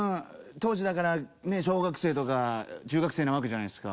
当時だからねえ小学生とか中学生なわけじゃないですか。